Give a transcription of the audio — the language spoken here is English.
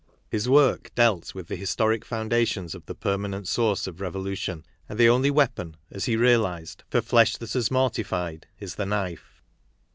His work dealt with the historic foundations of the permanent source of revolution, and KARL MARX 25 the only weapon, as he realized, for flesh that has morti fied is the knife.